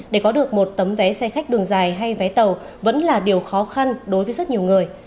để có được một tấm vé xe khách đường dài hay vé tàu vẫn là điều khó khăn đối với rất nhiều người